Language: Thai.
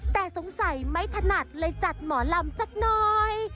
แต่สงสัยไม่ถนัดเลยจัดหมอลำสักหน่อย